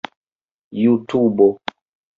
jutubo